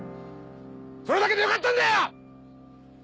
それだけでよかったんだよ！！